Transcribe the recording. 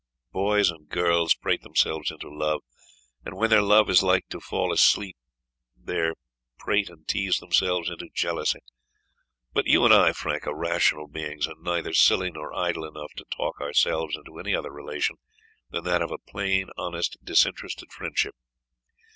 Boys and girls prate themselves into love; and when their love is like to fall asleep, they prate and tease themselves into jealousy. But you and I, Frank, are rational beings, and neither silly nor idle enough to talk ourselves into any other relation than that of plain honest disinterested friendship.